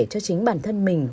cho chính bản thân mình